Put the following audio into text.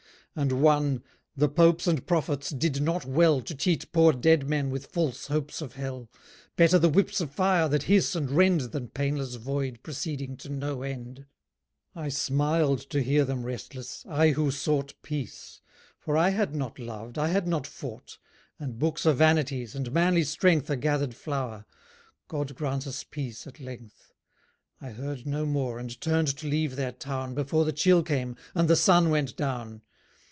And one, "The popes and prophets did not well To cheat poor dead men with false hopes of hell. Better the whips of fire that hiss and rend Than painless void proceeding to no end." I smiled to hear them restless, I who sought Peace. For I had not loved, I had not fought, And books are vanities, and manly strength A gathered flower. God grant us peace at length! I heard no more, and turned to leave their town Before the chill came, and the sun went down.